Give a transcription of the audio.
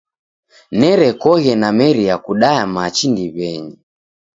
Nerekoghe nameria kudaya machi ndiw'enyi.